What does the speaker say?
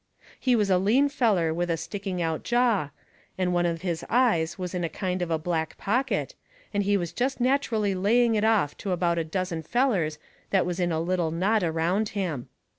He was a lean feller with a sticking out jaw, and one of his eyes was in a kind of a black pocket, and he was jest natcherally laying it off to about a dozen fellers that was in a little knot around him.